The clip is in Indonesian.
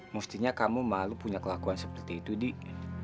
mestinya kamu malu punya kelakuan seperti itu dik